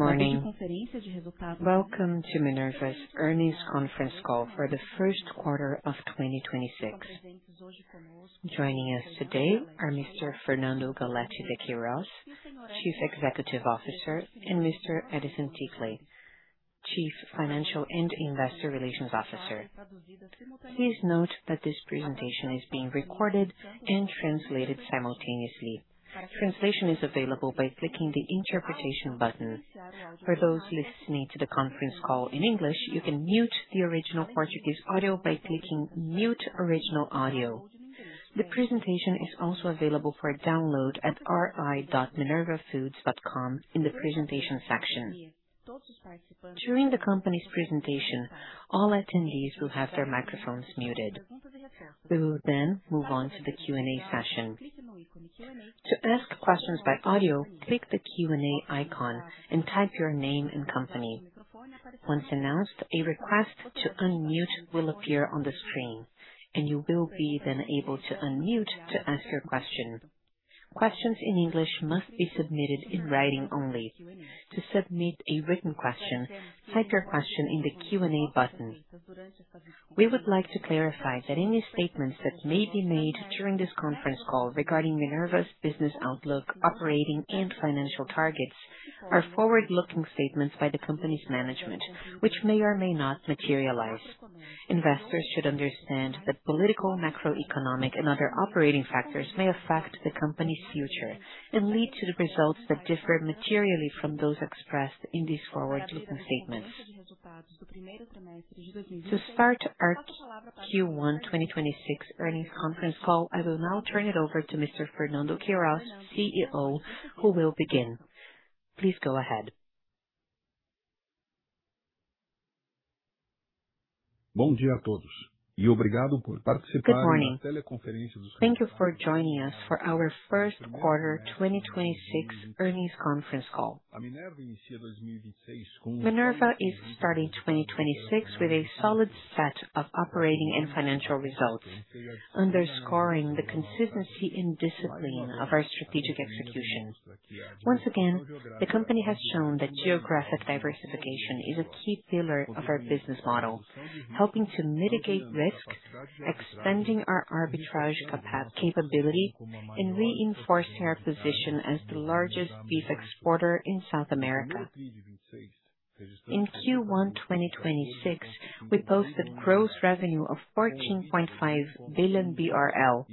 Good morning. Welcome to Minerva's Earnings Conference Call for the Q1 of 2026. Joining us today are Mr. Fernando Galletti de Queiroz, Chief Executive Officer, and Mr. Edison Ticle, Chief Financial and Investor Relations Officer. Please note that this presentation is being recorded and translated simultaneously. Translation is available by clicking the Interpretation button. For those listening to the conference call in English, you can mute the original Portuguese audio by clicking Mute Original Audio. The presentation is also available for download at ri.minervafoods.com in the Presentation section. During the company's presentation, all attendees will have their microphones muted. We will move on to the Q&A session. To ask questions by audio, click the Q&A icon and type your name and company. Once announced, a request to unmute will appear on the screen, and you will be then able to unmute to ask your question. Questions in English must be submitted in writing only. To submit a written question, type your question in the Q&A button. We would like to clarify that any statements that may be made during this conference call regarding Minerva's business outlook, operating and financial targets are forward-looking statements by the company's management, which may or may not materialize. Investors should understand that political, macroeconomic and other operating factors may affect the company's future and lead to the results that differ materially from those expressed in these forward-looking statements. To start our Q1 2026 earnings conference call, I will now turn it over to Mr. Fernando Queiroz, CEO, who will begin. Please go ahead. Good morning. Thank you for joining us for our Q1 2026 earnings conference call. Minerva is starting 2026 with a solid set of operating and financial results, underscoring the consistency and discipline of our strategic execution. Once again, the company has shown that geographic diversification is a key pillar of our business model, helping to mitigate risks, expanding our arbitrage capability, and reinforce our position as the largest beef exporter in South America. In Q1 2026, we posted gross revenue of 14.5 billion BRL,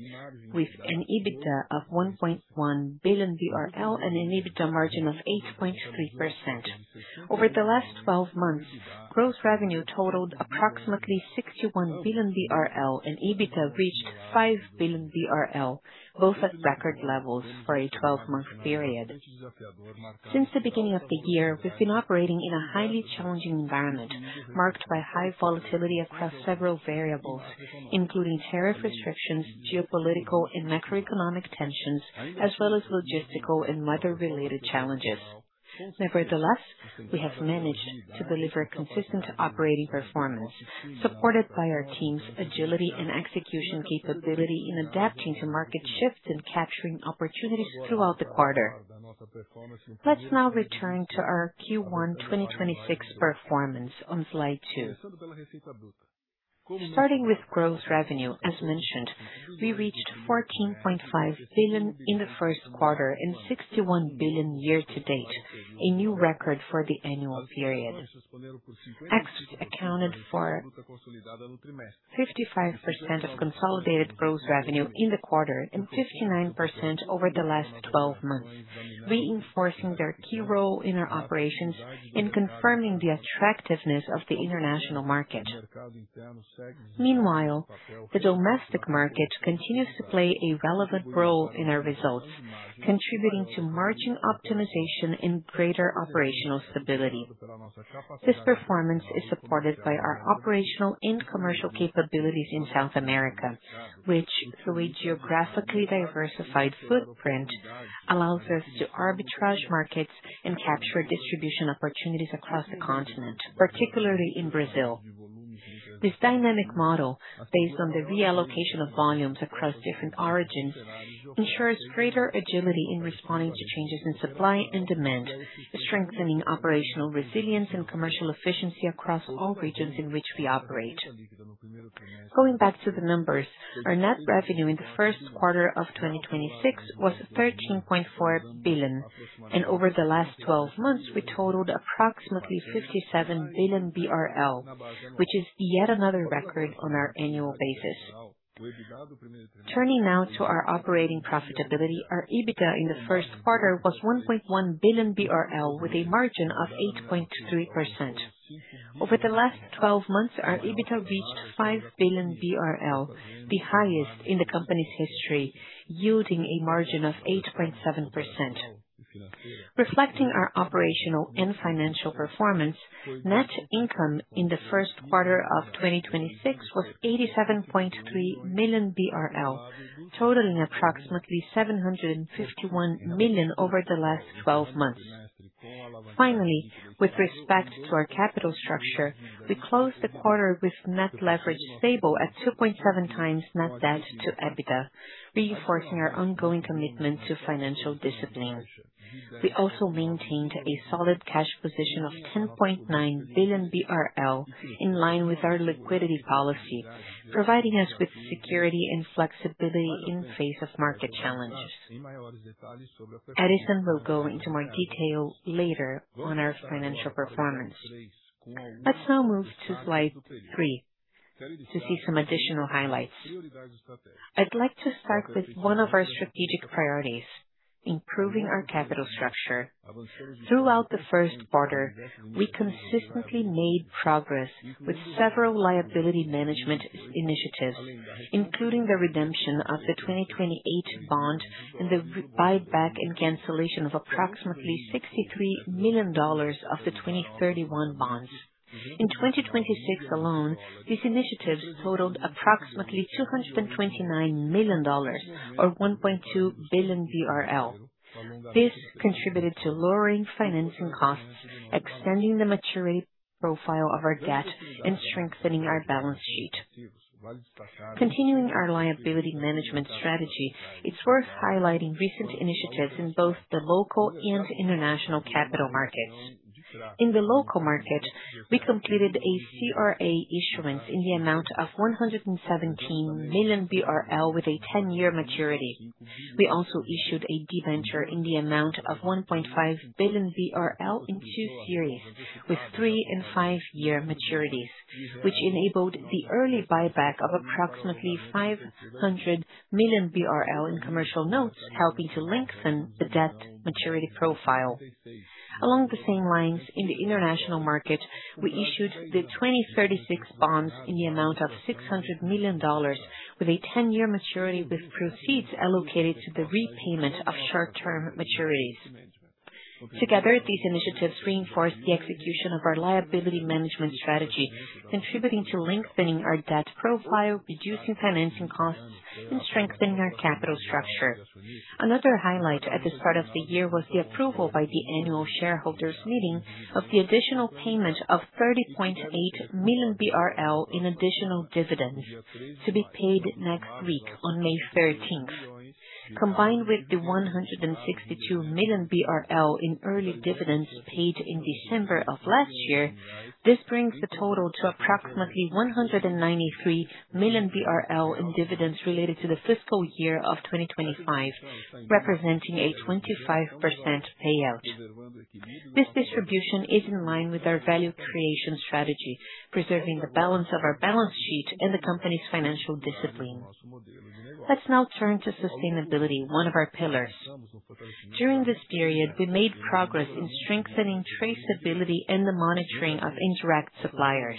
with an EBITDA of 1.1 billion BRL and an EBITDA margin of 8.3%. Over the last 12 months, gross revenue totaled approximately 61 billion BRL and EBITDA reached 5 billion BRL, both at record levels for a 12-month period. Since the beginning of the year, we've been operating in a highly challenging environment marked by high volatility across several variables, including tariff restrictions, geopolitical and macroeconomic tensions, as well as logistical and weather-related challenges. Nevertheless, we have managed to deliver consistent operating performance supported by our team's agility and execution capability in adapting to market shifts and capturing opportunities throughout the quarter. Let's now return to our Q1 2026 performance on slide 2. Starting with gross revenue, as mentioned, we reached 14.5 billion in the Q1 and 61 billion year to date, a new record for the annual period. Exports accounted for 55% of consolidated gross revenue in the quarter and 59% over the last 12 months, reinforcing their key role in our operations and confirming the attractiveness of the international market. Meanwhile, the domestic market continues to play a relevant role in our results, contributing to margin optimization and greater operational stability. This performance is supported by our operational and commercial capabilities in South America, which through a geographically diversified footprint allows us to arbitrage markets and capture distribution opportunities across the continent, particularly in Brazil. This dynamic model, based on the reallocation of volumes across different origins, ensures greater agility in responding to changes in supply and demand, strengthening operational resilience and commercial efficiency across all regions in which we operate. Going back to the numbers, our net revenue in the Q1 of 2026 was 13.4 billion. Over the last 12 months, we totaled approximately 57 billion BRL, which is yet another record on our annual basis. Turning now to our operating profitability, our EBITDA in the Q1 was 1.1 billion BRL with a margin of 8.3%. Over the last 12 months, our EBITDA reached 5 billion BRL, the highest in the company's history, yielding a margin of 8.7%. Reflecting our operational and financial performance, net income in the Q1 of 2026 was 87.3 million BRL, totaling approximately 751 million over the last 12 months. Finally, with respect to our capital structure, we closed the quarter with net leverage stable at 2.7x net debt to EBITDA, reinforcing our ongoing commitment to financial discipline. We also maintained a solid cash position of 10.9 billion BRL, in line with our liquidity policy, providing us with security and flexibility in face of market challenges. Edison will go into more detail later on our financial performance. Let's now move to slide 3 to see some additional highlights. I'd like to start with one of our strategic priorities, improving our capital structure. Throughout the Q1, we consistently made progress with several liability management initiatives, including the redemption of the 2028 bond and the buyback and cancellation of approximately $63 million of the 2031 bonds. In 2026 alone, these initiatives totaled approximately $229 million or 1.2 billion BRL. This contributed to lowering financing costs, extending the maturity profile of our debt, and strengthening our balance sheet. Continuing our liability management strategy, it's worth highlighting recent initiatives in both the local and international capital markets. In the local market, we completed a CRA issuance in the amount of 117 million BRL with a 10-year maturity. We also issued a debenture in the amount of 1.5 billion in two series with three and five-year maturities, which enabled the early buyback of approximately 500 million BRL in commercial notes, helping to lengthen the debt maturity profile. Along the same lines, in the international market, we issued the 2036 bonds in the amount of $600 million with a 10-year maturity, with proceeds allocated to the repayment of short-term maturities. Together, these initiatives reinforce the execution of our liability management strategy, contributing to lengthening our debt profile, reducing financing costs, and strengthening our capital structure. Another highlight at the start of the year was the approval by the Annual Shareholders’ Meeting of the additional payment of 30.8 million BRL in additional dividends to be paid next week on May 13th. Combined with the 162 million BRL in early dividends paid in December of last year, this brings the total to approximately 193 million BRL in dividends related to the fiscal year of 2025, representing a 25% payout. This distribution is in line with our value creation strategy, preserving the balance of our balance sheet and the company's financial discipline. Let's now turn to sustainability, one of our pillars. During this period, we made progress in strengthening traceability and the monitoring of indirect suppliers.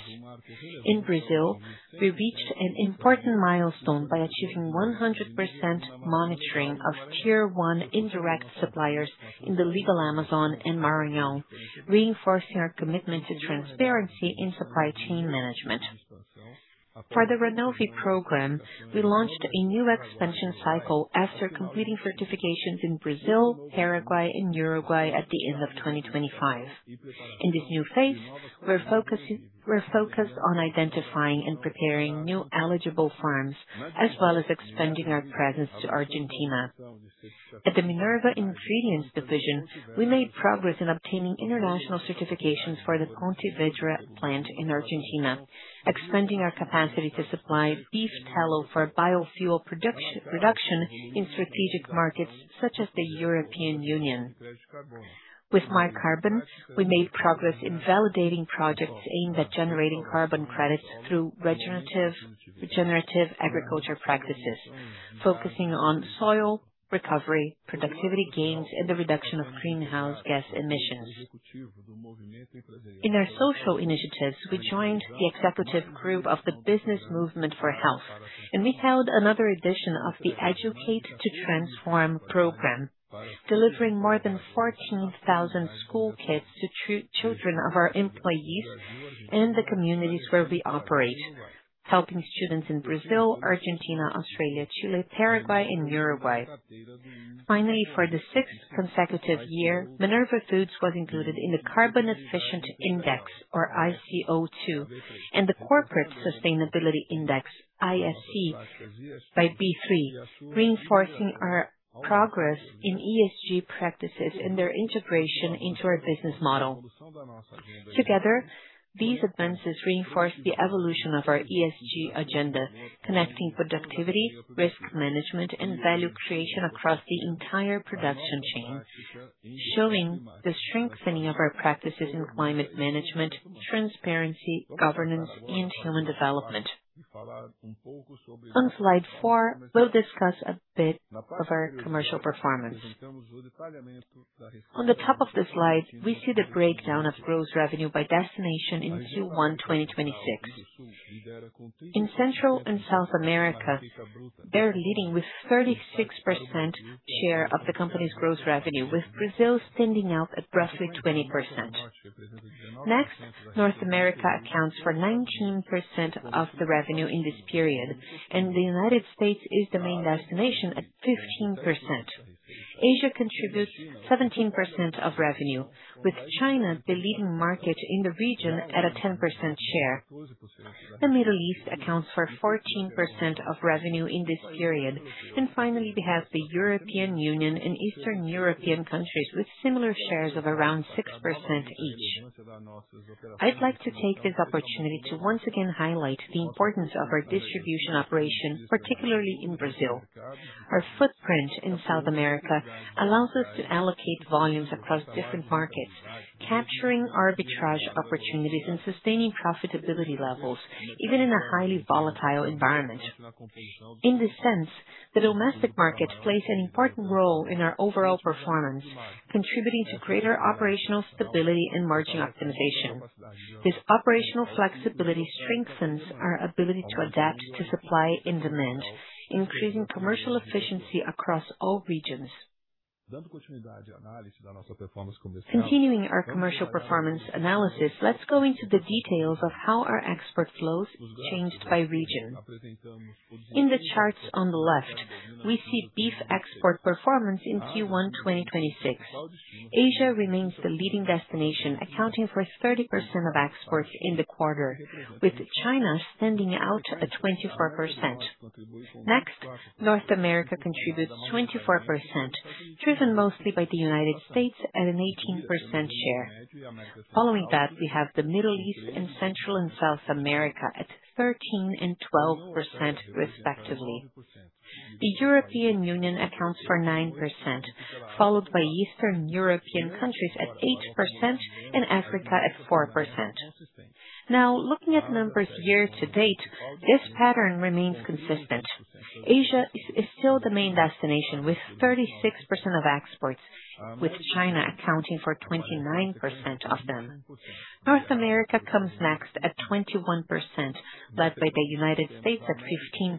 In Brazil, we reached an important milestone by achieving 100% monitoring of Tier 1 indirect suppliers in the Legal Amazon and Maranhão, reinforcing our commitment to transparency in supply chain management. For the Renove Program, we launched a new expansion cycle after completing certifications in Brazil, Paraguay, and Uruguay at the end of 2025. In this new phase, we're focused on identifying and preparing new eligible farms, as well as expanding our presence to Argentina. At the Minerva Ingredients division, we made progress in obtaining international certifications for the Pontevedra plant in Argentina, expanding our capacity to supply beef tallow for biofuel production in strategic markets such as the European Union. With MyCarbon, we made progress in validating projects aimed at generating carbon credits through regenerative agriculture practices, focusing on soil recovery, productivity gains, and the reduction of greenhouse gas emissions. In our social initiatives, we joined the executive group of the Business Movement for Health, we held another edition of the Educate to Transform program, delivering more than 14,000 school kits to children of our employees in the communities where we operate, helping students in Brazil, Argentina, Australia, Chile, Paraguay, and Uruguay. Finally, for the sixth consecutive year, Minerva Foods was included in the Carbon Efficient Index, or ICO₂, and the Corporate Sustainability Index, ISE by B3, reinforcing our progress in ESG practices and their integration into our business model. Together, these advances reinforce the evolution of our ESG agenda, connecting productivity, risk management, and value creation across the entire production chain, showing the strengthening of our practices in climate management, transparency, governance, and human development. On slide 4, we'll discuss a bit of our commercial performance. On the top of the slide, we see the breakdown of gross revenue by destination in Q1 2026. In Central and South America, they're leading with 36% share of the company's gross revenue, with Brazil standing out at roughly 20%. Next, North America accounts for 19% of the revenue in this period. The U.S. is the main destination at 15%. Asia contributes 17% of revenue, with China the leading market in the region at a 10% share. The Middle East accounts for 14% of revenue in this period. Finally, we have the European Union and Eastern European countries with similar shares of around 6% each. I'd like to take this opportunity to once again highlight the importance of our distribution operation, particularly in Brazil. Our footprint in South America allows us to allocate volumes across different markets, capturing arbitrage opportunities and sustaining profitability levels, even in a highly volatile environment. In this sense, the domestic market plays an important role in our overall performance, contributing to greater operational stability and margin optimization. This operational flexibility strengthens our ability to adapt to supply and demand, increasing commercial efficiency across all regions. Continuing our commercial performance analysis, let's go into the details of how our export flows changed by region. In the charts on the left, we see beef export performance in Q1 2026. Asia remains the leading destination, accounting for 30% of exports in the quarter, with China standing out at 24%. Next, North America contributes 24%, driven mostly by the United States at an 18% share. Following that, we have the Middle East and Central and South America at 13% and 12% respectively. The European Union accounts for 9%, followed by Eastern European countries at 8% and Africa at 4%. Looking at numbers year to date, this pattern remains consistent. Asia is still the main destination with 36% of exports, with China accounting for 29% of them. North America comes next at 21%, led by the United States at 15%.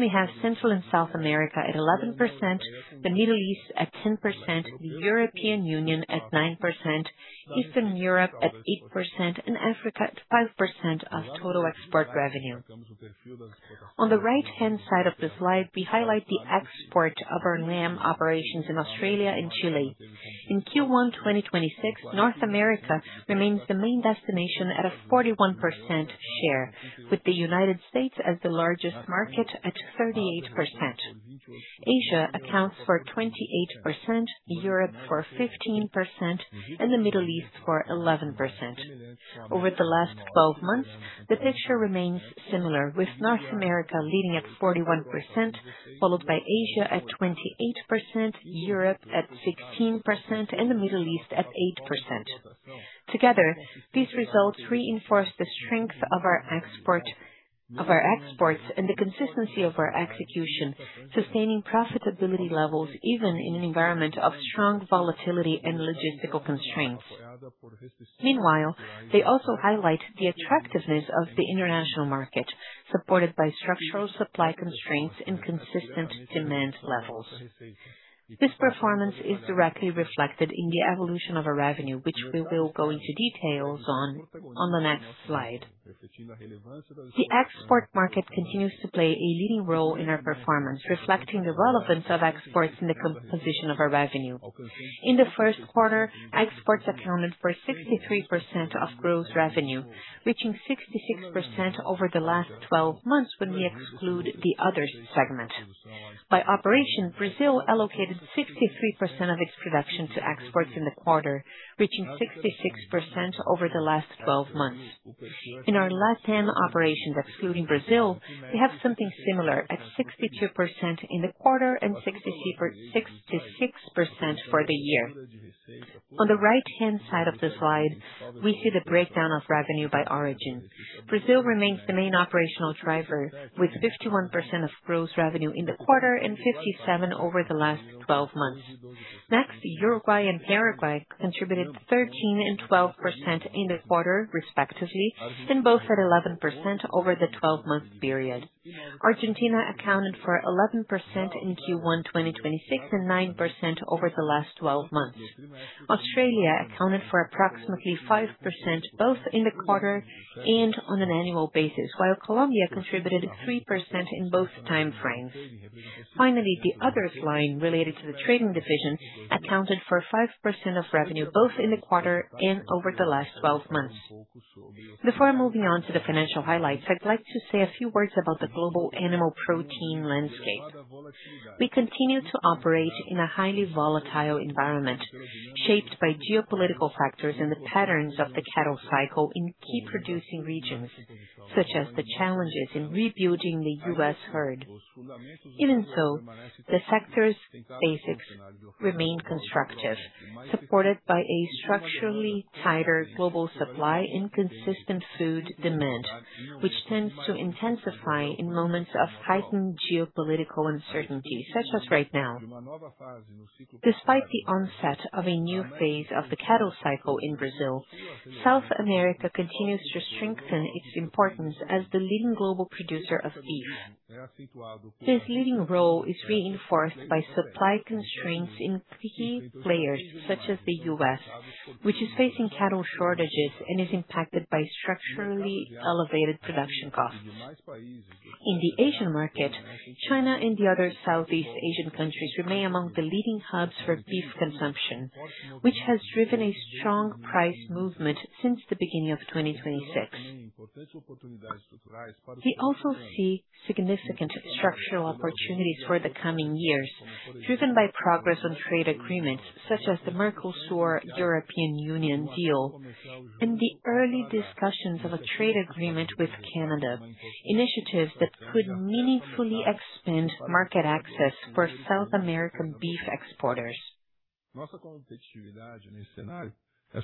We have Central and South America at 11%, the Middle East at 10%, the European Union at 9%, Eastern Europe at 8%, and Africa at 5% of total export revenue. On the right-hand side of the slide, we highlight the export of our lamb operations in Australia and Chile. In Q1 2026, North America remains the main destination at a 41% share, with the United States as the largest market at 38%. Asia accounts for 28%, Europe for 15%, and the Middle East for 11%. Over the last 12 months, the picture remains similar, with North America leading at 41%, followed by Asia at 28%, Europe at 16%, and the Middle East for 8%. Together, these results reinforce the strength of our exports and the consistency of our execution, sustaining profitability levels even in an environment of strong volatility and logistical constraints. Meanwhile, they also highlight the attractiveness of the international market, supported by structural supply constraints and consistent demand levels. This performance is directly reflected in the evolution of our revenue, which we will go into details on the next slide. The export market continues to play a leading role in our performance, reflecting the relevance of exports in the composition of our revenue. In the Q1, exports accounted for 63% of gross revenue, reaching 66% over the last 12 months when we exclude the other segment. By operation, Brazil allocated 63% of its production to exports in the quarter, reaching 66% over the last 12 months. In our LatAm operations, excluding Brazil, we have something similar at 62% in the quarter and 66% for the year. On the right-hand side of the slide, we see the breakdown of revenue by origin. Brazil remains the main operational driver with 51% of gross revenue in the quarter and 57% over the last 12 months. Uruguay and Paraguay contributed 13% and 12% in the quarter respectively, both at 11% over the 12-month period. Argentina accounted for 11% in Q1 2026 and 9% over the last 12 months. Australia accounted for approximately 5% both in the quarter and on an annual basis, while Colombia contributed 3% in both time frames. The others line related to the trading division accounted for 5% of revenue, both in the quarter and over the last 12 months. Before moving on to the financial highlights, I'd like to say a few words about the global animal protein landscape. We continue to operate in a highly volatile environment shaped by geopolitical factors and the patterns of the cattle cycle in key producing regions, such as the challenges in rebuilding the U.S. herd. Even so, the sector's basics remain constructive, supported by a structurally tighter global supply and consistent food demand, which tends to intensify in moments of heightened geopolitical uncertainty, such as right now. Despite the onset of a new phase of the cattle cycle in Brazil, South America continues to strengthen its importance as the leading global producer of beef. This leading role is reinforced by supply constraints in key players such as the U.S., which is facing cattle shortages and is impacted by structurally elevated production costs. In the Asian market, China and the other Southeast Asian countries remain among the leading hubs for beef consumption, which has driven a strong price movement since the beginning of 2026. We also see significant structural opportunities for the coming years, driven by progress on trade agreements such as the Mercosur-European Union deal and the early discussions of a trade agreement with Canada, initiatives that could meaningfully expand market access for South American beef exporters.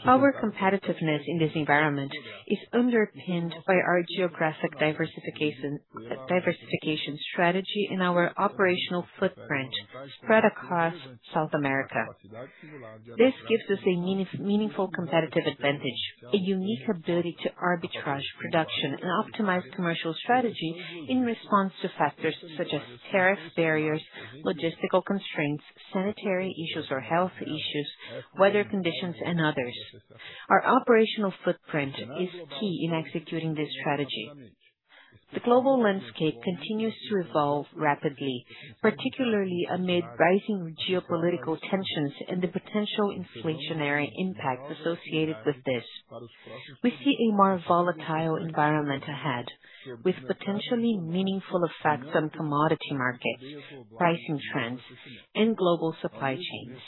Our competitiveness in this environment is underpinned by our geographic diversification strategy and our operational footprint spread across South America. This gives us a meaningful competitive advantage, a unique ability to arbitrage production and optimize commercial strategy in response to factors such as tariff barriers, logistical constraints, sanitary issues or health issues, weather conditions and others. Our operational footprint is key in executing this strategy. The global landscape continues to evolve rapidly, particularly amid rising geopolitical tensions and the potential inflationary impact associated with this. We see a more volatile environment ahead, with potentially meaningful effects on commodity markets, pricing trends and global supply chains.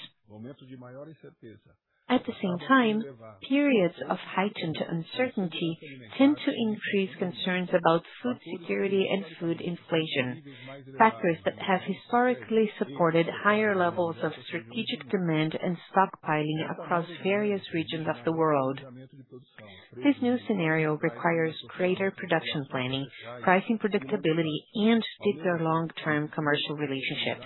At the same time, periods of heightened uncertainty tend to increase concerns about food security and food inflation, factors that have historically supported higher levels of strategic demand and stockpiling across various regions of the world. This new scenario requires greater production planning, pricing predictability and deeper long-term commercial relationships,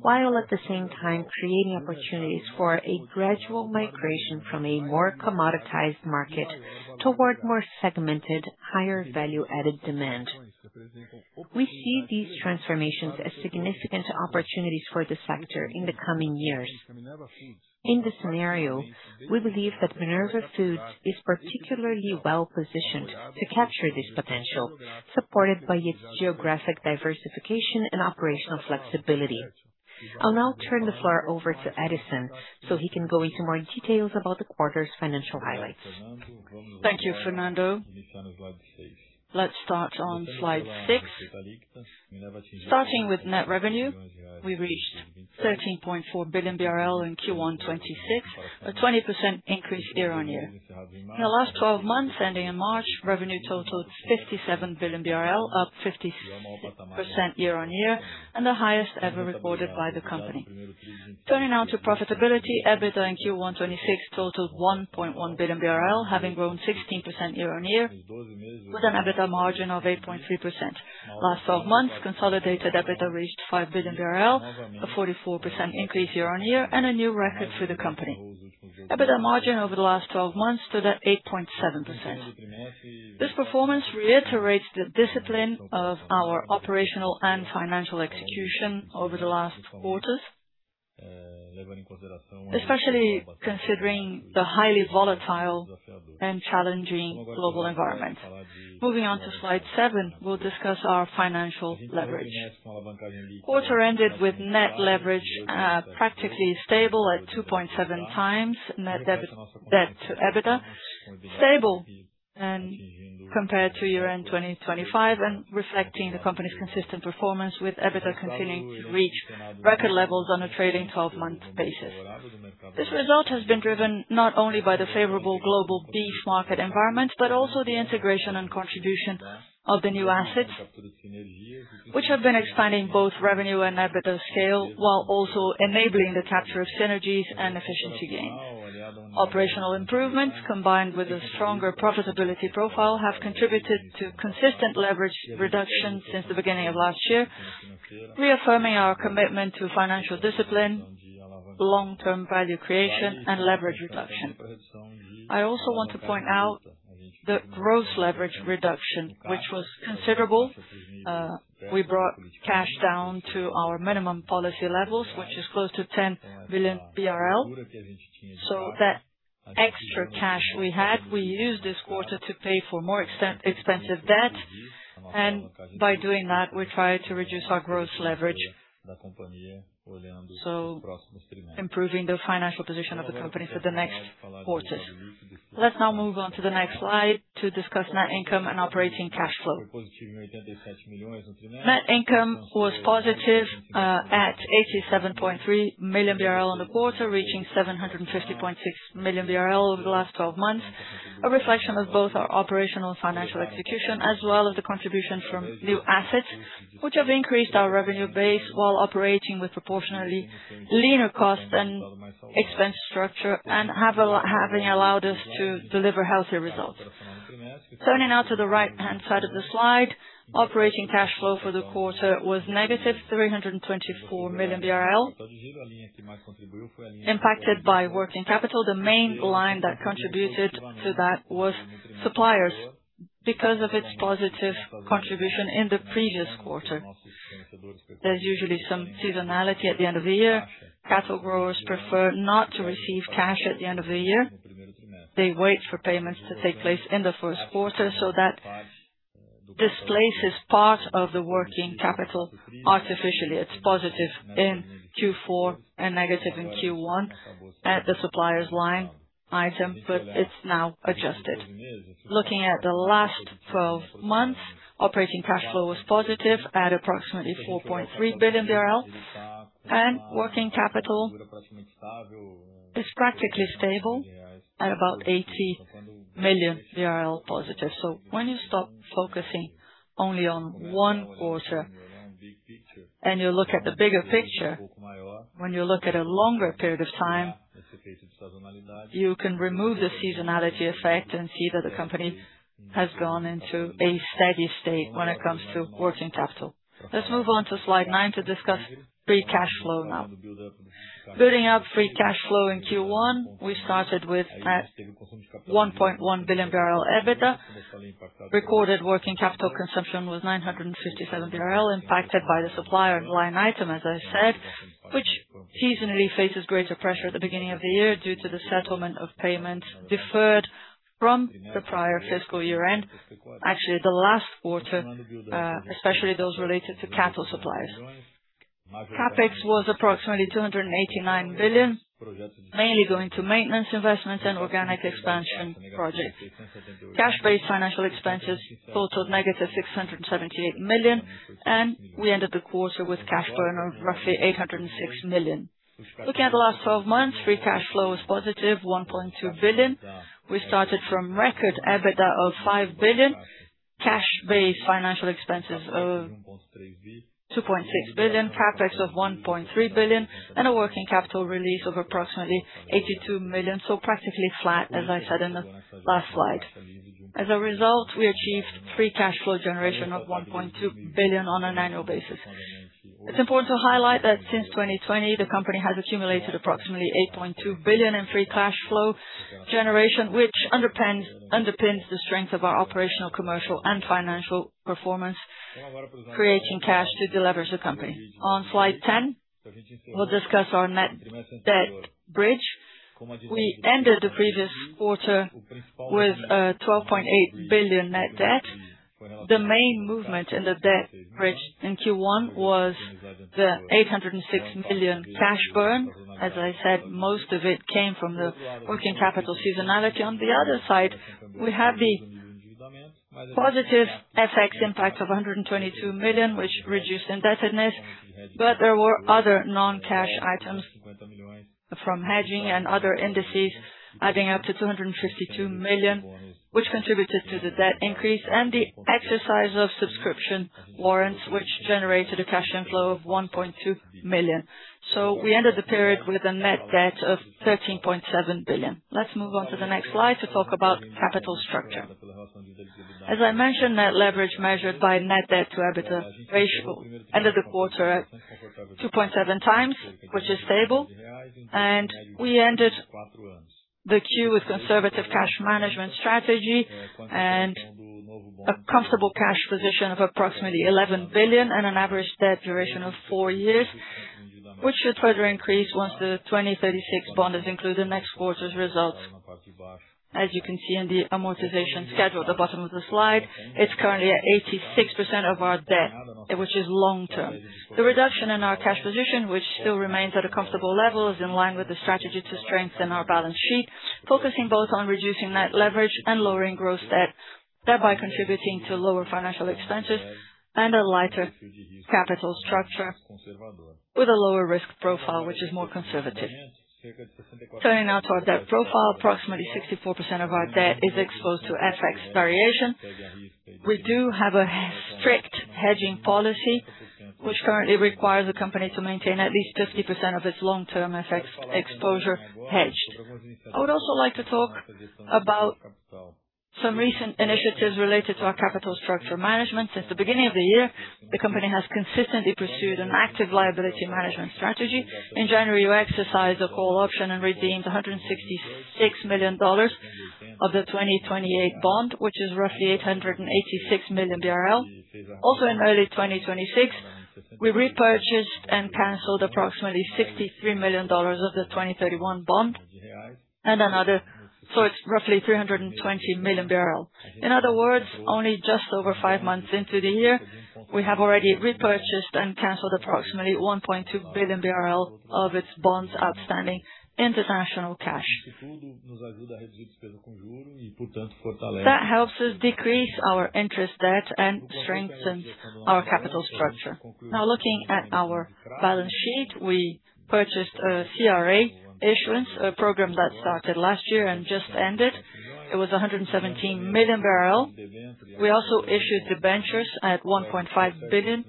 while at the same time creating opportunities for a gradual migration from a more commoditized market toward more segmented, higher value-added demand. We see these transformations as significant opportunities for the sector in the coming years. In this scenario, we believe that Minerva Foods is particularly well-positioned to capture this potential, supported by its geographic diversification and operational flexibility. I'll now turn the floor over to Edison, so he can go into more details about the quarter's financial highlights. Thank you, Fernando. Let's start on slide 6. Starting with net revenue, we reached 13.4 billion BRL in Q1 2026, a 20% increase year-on-year. In the last 12 months ending in March, revenue totaled 57 billion BRL, up 50% year-on-year and the highest ever recorded by the company. Turning now to profitability, EBITDA in Q1 2026 totaled 1.1 billion BRL, having grown 16% year-on-year with an EBITDA margin of 8.3%. Last 12 months consolidated EBITDA reached 5 billion BRL, a 44% increase year-on-year and a new record for the company. EBITDA margin over the last 12 months stood at 8.7%. This performance reiterates the discipline of our operational and financial execution over the last quarters, especially considering the highly volatile and challenging global environment. Moving on to slide 7, we'll discuss our financial leverage. Quarter ended with net leverage, practically stable at 2.7x net debt to EBITDA, stable and compared to year-end 2025 and reflecting the company's consistent performance with EBITDA continuing to reach record levels on a trailing 12-month basis. This result has been driven not only by the favorable global beef market environment, but also the integration and contribution of the new assets which have been expanding both revenue and EBITDA scale, while also enabling the capture of synergies and efficiency gains. Operational improvements combined with a stronger profitability profile have contributed to consistent leverage reduction since the beginning of last year, reaffirming our commitment to financial discipline, long-term value creation and leverage reduction. I also want to point out the gross leverage reduction, which was considerable. We brought cash down to our minimum policy levels, which is close to 10 billion BRL. That extra cash we had, we used this quarter to pay for more expensive debt. By doing that, we tried to reduce our gross leverage, so improving the financial position of the company for the next quarters. Let's now move on to the next slide to discuss net income and operating cash flow. Net income was positive at 87.3 million BRL in the quarter, reaching 750.6 million BRL over the last 12 months, a reflection of both our operational and financial execution, as well as the contribution from new assets which have increased our revenue base while operating with proportionally leaner costs and expense structure having allowed us to deliver healthier results. Turning now to the right-hand side of the slide, operating cash flow for the quarter was negative 324 million BRL impacted by working capital. The main line that contributed to that was suppliers because of its positive contribution in the previous quarter. There is usually some seasonality at the end of the year. Cattle growers prefer not to receive cash at the end of the year. They wait for payments to take place in the Q1, so that displaces part of the working capital artificially. It is positive in Q4 and negative in Q1 at the suppliers line item, it is now adjusted. Looking at the last 12 months, operating cash flow was positive at approximately 4.3 billion. Working capital is practically stable at about 80 million positive. When you stop focusing only on one quarter and you look at the bigger picture, when you look at a longer period of time, you can remove the seasonality effect and see that the company has gone into a steady state when it comes to working capital. Let's move on to slide 9 to discuss free cash flow now. Building up free cash flow in Q1, we started with 1.1 billion EBITDA. Recorded working capital consumption was 957 million, impacted by the supplier line item, as I said, which seasonally faces greater pressure at the beginning of the year due to the settlement of payments deferred from the prior fiscal year-end. Actually, the last quarter, especially those related to cattle suppliers. CapEx was approximately 289 million, mainly going to maintenance investments and organic expansion projects. Cash-based financial expenses totaled negative 678 million, and we ended the quarter with cash burn of roughly 806 million. Looking at the last 12 months, free cash flow was positive 1.2 billion. We started from record EBITDA of 5 billion, cash-based financial expenses of 2.6 billion, CapEx of 1.3 billion, and a working capital release of approximately 82 million. Practically flat, as I said in the last slide. As a result, we achieved free cash flow generation of 1.2 billion on an annual basis. It's important to highlight that since 2020, the company has accumulated approximately 8.2 billion in free cash flow generation, which underpins the strength of our operational, commercial and financial performance, creating cash to deleverage the company. On slide 10, we'll discuss our net debt bridge. We ended the previous quarter with 12.8 billion net debt. The main movement in the debt bridge in Q1 was the 806 million cash burn. As I said, most of it came from the working capital seasonality. On the other side, we have the positive FX impact of 122 million, which reduced indebtedness. There were other non-cash items from hedging and other indices adding up to 252 million, which contributed to the debt increase and the exercise of subscription warrants, which generated a cash inflow of 1.2 million. We ended the period with a net debt of 13.7 billion. Let's move on to the next slide to talk about capital structure. As I mentioned, net leverage measured by net debt to EBITDA ratio ended the quarter at 2.7x, which is stable. We ended the Q with conservative cash management strategy and a comfortable cash position of approximately 11 billion and an average debt duration of four years, which should further increase once the 2036 bond is included in next quarter's results. As you can see in the amortization schedule at the bottom of the slide, it's currently at 86% of our debt, which is long term. The reduction in our cash position, which still remains at a comfortable level, is in line with the strategy to strengthen our balance sheet, focusing both on reducing net leverage and lowering gross debt, thereby contributing to lower financial expenses and a lighter capital structure with a lower risk profile, which is more conservative. Turning now to our debt profile. Approximately 64% of our debt is exposed to FX variation. We do have a strict hedging policy, which currently requires the company to maintain at least 50% of its long-term FX exposure hedged. I would also like to talk about some recent initiatives related to our capital structure management. Since the beginning of the year, the company has consistently pursued an active liability management strategy. In January, we exercised a call option and redeemed $166 million of the 2028 bond, which is roughly 886 million BRL. In early 2026, we repurchased and canceled approximately $63 million of the 2031 bond, which is roughly 320 million. In other words, only just over five months into the year, we have already repurchased and canceled approximately 1.2 billion BRL of its bonds outstanding international cash. That helps us decrease our interest debt and strengthens our capital structure. Looking at our balance sheet, we purchased a CRA issuance, a program that started last year and just ended. It was 117 million. We also issued debentures at 1.5 billion,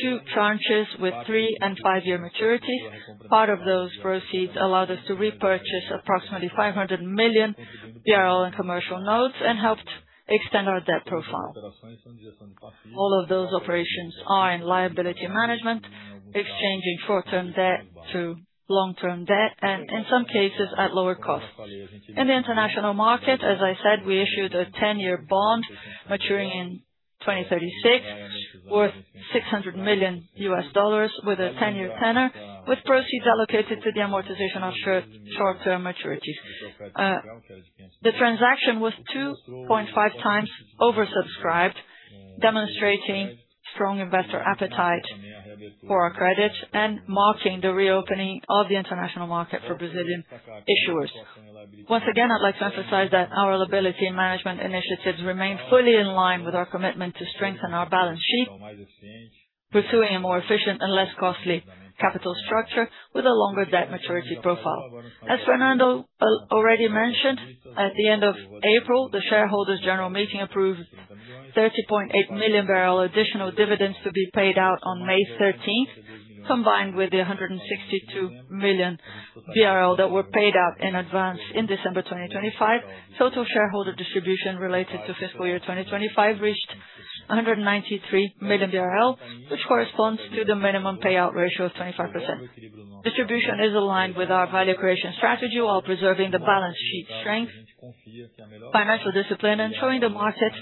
two tranches with three and five-year maturities. Part of those proceeds allowed us to repurchase approximately 500 million in commercial notes and helped extend our debt profile. All of those operations are in liability management, exchanging short-term debt to long-term debt and in some cases at lower cost. In the international market, as I said a 10-year bond maturing in 2036, worth $600 million with a 10-year tenor, with proceeds allocated to the amortization of short-term maturities. The transaction was 2.5x oversubscribed, demonstrating strong investor appetite for our credit and marking the reopening of the international market for Brazilian issuers. Once again, I'd like to emphasize that our liability and management initiatives remain fully in line with our commitment to strengthen our balance sheet, pursuing a more efficient and less costly capital structure with a longer debt maturity profile. As Fernando already mentioned, at the end of April, the shareholders general meeting approved 30.8 million additional dividends to be paid out on May 13th, combined with the 162 million BRL that were paid out in advance in December 2025. Total shareholder distribution related to fiscal year 2025 reached 193 million BRL, which corresponds to the minimum payout ratio of 25%. Distribution is aligned with our value creation strategy while preserving the balance sheet strength, financial discipline, and showing the market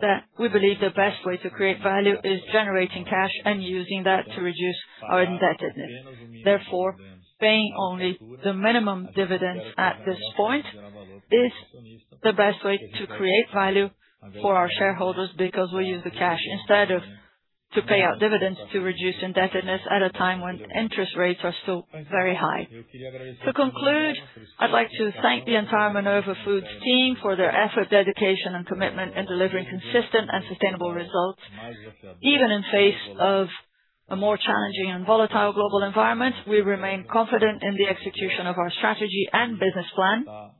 that we believe the best way to create value is generating cash and using that to reduce our indebtedness. Therefore, paying only the minimum dividends at this point is the best way to create value for our shareholders because we use the cash instead of to pay out dividends to reduce indebtedness at a time when interest rates are still very high. To conclude, I'd like to thank the entire Minerva Foods team for their effort, dedication, and commitment in delivering consistent and sustainable results. Even in face of a more challenging and volatile global environment, we remain confident in the execution of our strategy and business plan,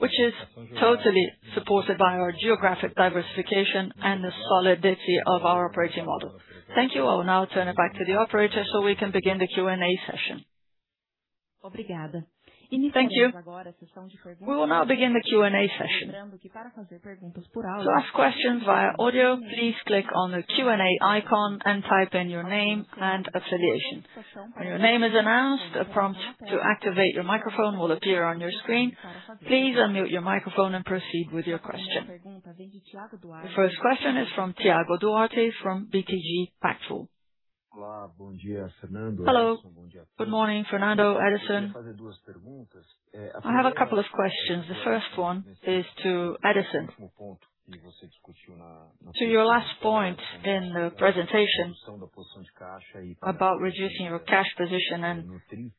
which is totally supported by our geographic diversification and the solidity of our operating model. Thank you. I will now turn it back to the operator, we can begin the Q&A session. Thank you. We will now begin the Q&A session. To ask questions via audio, please click on the Q&A icon and type in your name and affiliation. When your name is announced, a prompt to activate your microphone will appear on your screen. Please unmute your microphone and proceed with your question. The first question is from Thiago Duarte from BTG Pactual. Hello. Good morning, Fernando, Edison. I have a couple of questions. The first one is to Edison. To your last point in the presentation about reducing your cash position and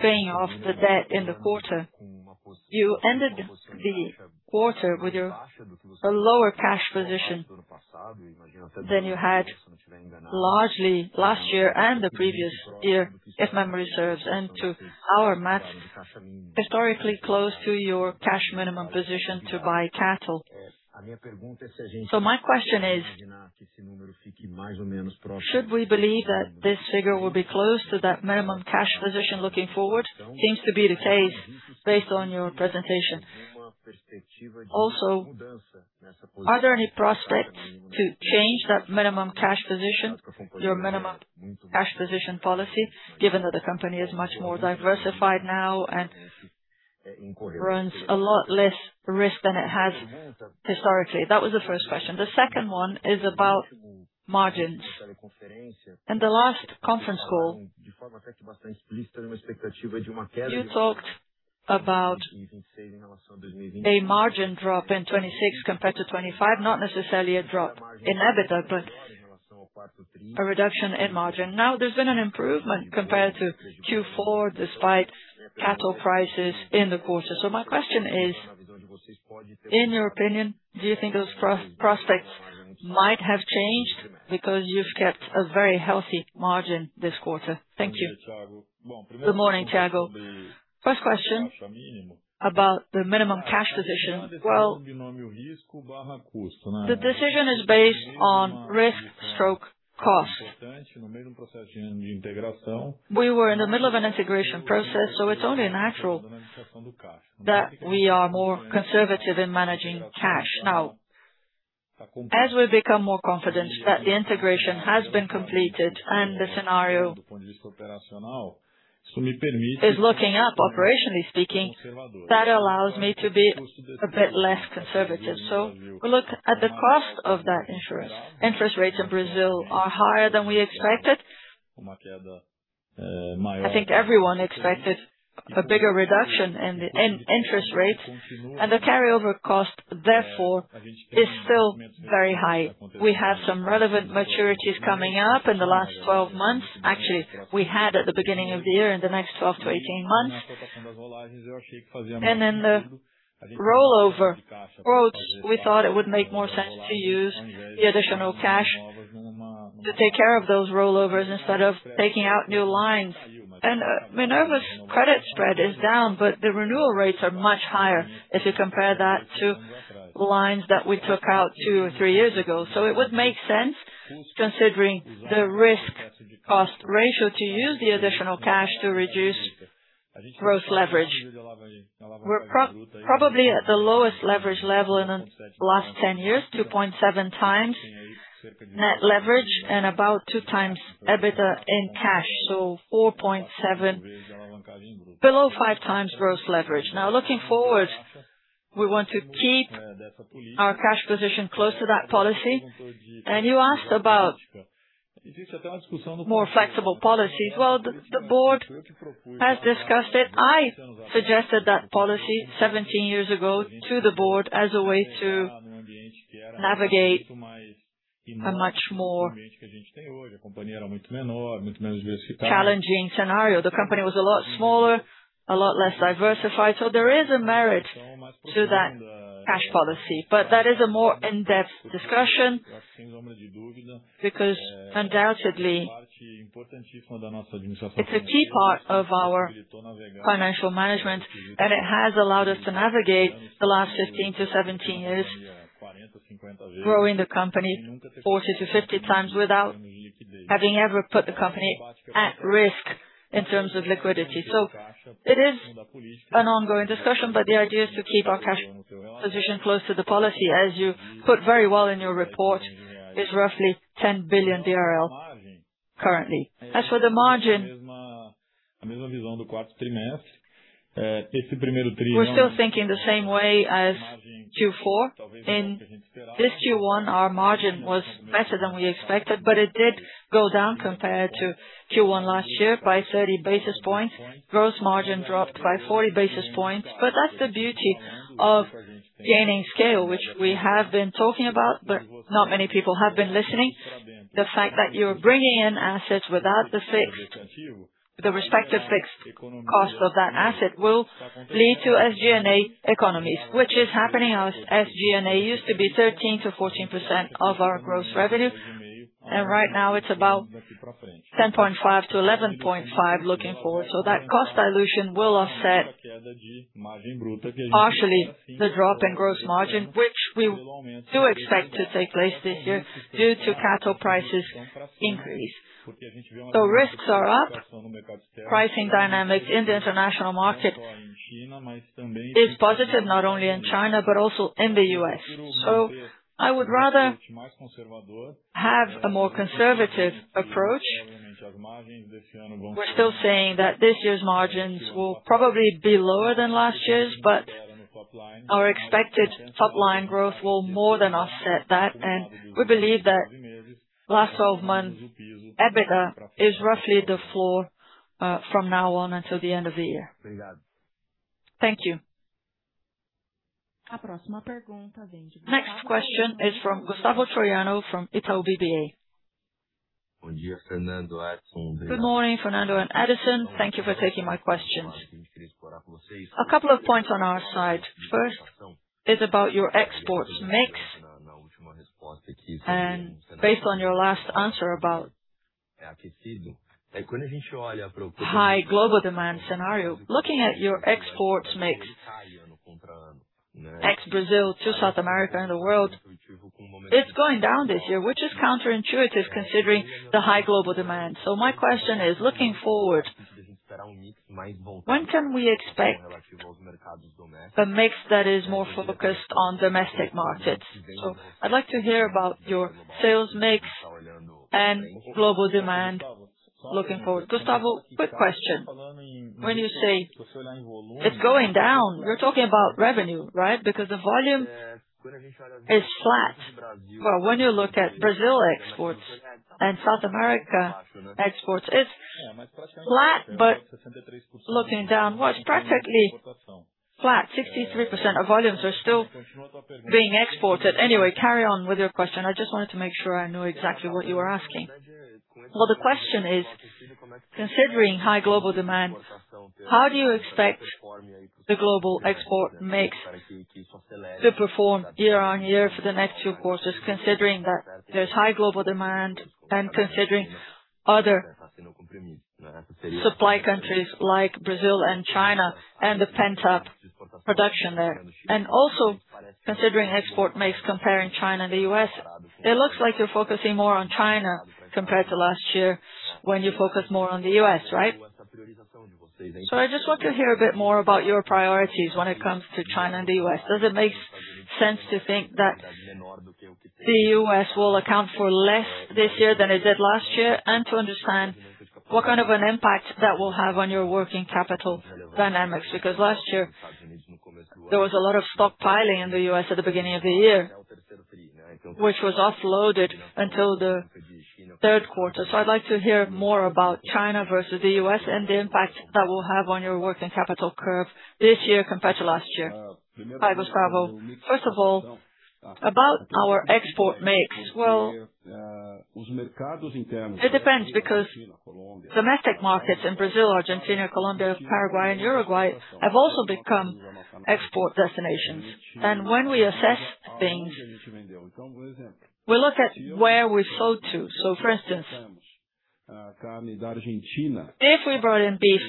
paying off the debt in the quarter. You ended the quarter with a lower cash position than you had largely last year and the previous year, if memory serves, and to our math, historically close to your cash minimum position to buy cattle. My question is, should we believe that this figure will be close to that minimum cash position looking forward? Seems to be the case based on your presentation. Are there any prospects to change that minimum cash position policy, given that the company is much more diversified now and runs a lot less risk than it has historically? That was the first question. The second one is about margins. In the last conference call, you talked about a margin drop in 2026 compared to 2025, not necessarily a drop in EBITDA, but a reduction in margin. There's been an improvement compared to Q4 despite cattle prices in the quarter. My question is, in your opinion, do you think those prospects might have changed because you've kept a very healthy margin this quarter? Thank you. Good morning, Thiago. First question about the minimum cash position. The decision is based on risk/cost. We were in the middle of an integration process, it's only natural that we are more conservative in managing cash. As we become more confident that the integration has been completed and the scenario is looking up, operationally speaking, that allows me to be a bit less conservative. We look at the cost of that insurance. Interest rates in Brazil are higher than we expected. I think everyone expected a bigger reduction in the interest rates, the carryover cost, therefore, is still very high. We have some relevant maturities coming up in the last 12 months. Actually, we had at the beginning of the year in the next 12 to 18 months. The rollover quotes, we thought it would make more sense to use the additional cash to take care of those rollovers instead of taking out new lines. Minerva's credit spread is down, the renewal rates are much higher if you compare that to lines that we took out two or three years ago. It would make sense, considering the risk cost ratio, to use the additional cash to reduce gross leverage. We're probably at the lowest leverage level in the last 10 years, 2.7x net leverage and about 2x EBITDA in cash. 4.7x below five times gross leverage. Looking forward, we want to keep our cash position close to that policy. You asked about more flexible policies. Well, the board has discussed it. I suggested that policy 17 years ago to the board as a way to navigate a much more challenging scenario. The company was a lot smaller, a lot less diversified. There is a merit to that cash policy, but that is a more in-depth discussion because undoubtedly it's a key part of our financial management, and it has allowed us to navigate the last 15-17 years growing the company 40x-50x without having ever put the company at risk in terms of liquidity. It is an ongoing discussion, but the idea is to keep our cash position close to the policy. As you put very well in your report, it's roughly 10 billion currently. For the margin, we're still thinking the same way as Q4. In this Q1, our margin was better than we expected, but it did go down compared to Q1 last year by 30 basis points. Gross margin dropped by 40 basis points. That's the beauty of gaining scale, which we have been talking about, but not many people have been listening. The fact that you're bringing in assets without the respective fixed cost of that asset will lead to SG&A economies, which is happening as SG&A used to be 13%-14% of our gross revenue, and right now it's about 10.5%-11.5% looking forward. That cost dilution will offset partially the drop in gross margin, which we do expect to take place this year due to cattle prices increase. Pricing dynamics in the international market is positive, not only in China but also in the U.S. I would rather have a more conservative approach. We're still saying that this year's margins will probably be lower than last year's, but our expected top line growth will more than offset that. We believe that last 12 months EBITDA is roughly the floor from now on until the end of the year. Thank you. Next question is from Gustavo Troyano from Itaú BBA. Good morning, Fernando and Edison. Thank you for taking my questions. Two points on our side. First is about your export mix. Based on your last answer about high global demand scenario. Looking at your export mix, ex-Brazil to South America and the world, it's going down this year, which is counterintuitive considering the high global demand. My question is, looking forward, when can we expect a mix that is more focused on domestic markets? I'd like to hear about your sales mix and global demand looking forward. Gustavo, quick question. When you say it's going down, you're talking about revenue, right? Because the volume is flat. When you look at Brazil exports and South America exports, it's flat, but looking down. It's practically flat. 63% of volumes are still being exported. Carry on with your question. I just wanted to make sure I know exactly what you are asking. Well, the question is, considering high global demand, how do you expect the global export mix to perform year-on-year for the next few quarters, considering that there's high global demand and considering other supply countries like Brazil and China and the pent-up production there? Also considering export mix comparing China and the U.S., it looks like you're focusing more on China compared to last year when you focused more on the U.S., right? I just want to hear a bit more about your priorities when it comes to China and the U.S. Does it make sense to think that the U.S. will account for less this year than it did last year? To understand what kind of an impact that will have on your working capital dynamics. Last year, there was a lot of stockpiling in the U.S. at the beginning of the year, which was offloaded until the Q3. I'd like to hear more about China versus the U.S. and the impact that will have on your working capital curve this year compared to last year. Hi, Gustavo. First of all, about our export mix. Well, it depends because domestic markets in Brazil, Argentina, Colombia, Paraguay, and Uruguay have also become export destinations. When we assess things, we look at where we sold to. For instance, if we brought in beef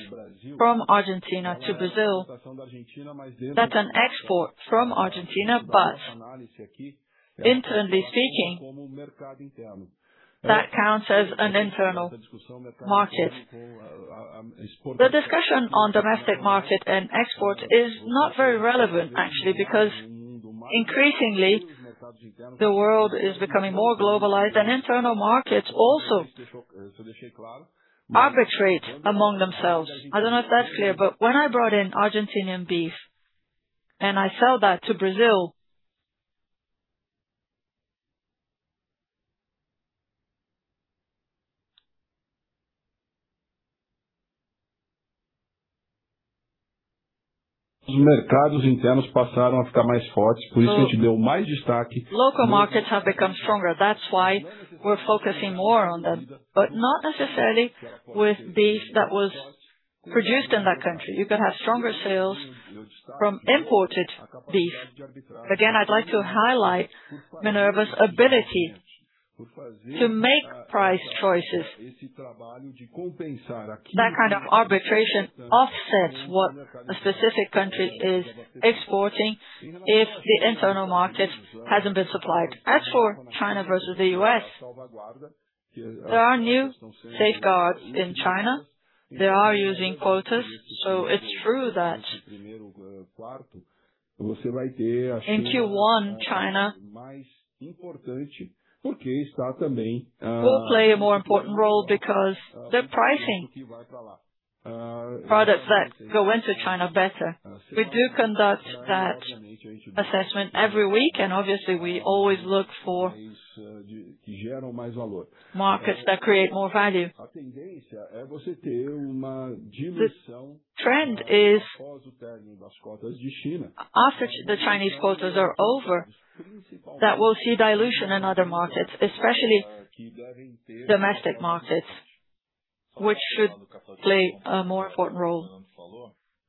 from Argentina to Brazil, that's an export from Argentina, but internally speaking, that counts as an internal market. The discussion on domestic market and export is not very relevant actually, because increasingly the world is becoming more globalized and internal markets also arbitrate among themselves. I don't know if that's clear, when I brought in Argentinian beef and I sell that to Brazil. Local markets have become stronger. That's why we're focusing more on them, but not necessarily with beef that was produced in that country. You could have stronger sales from imported beef. Again, I'd like to highlight Minerva's ability to make price choices. That kind of arbitration offsets what a specific country is exporting if the internal market hasn't been supplied. As for China versus the U.S., there are new safeguards in China. They are using quotas, so it's true that in Q1 China will play a more important role because they're pricing products that go into China better. We do conduct that assessment every week, and obviously we always look for markets that create more value. The trend is after the Chinese quotas are over, that we will see dilution in other markets, especially domestic markets, which should play a more important role.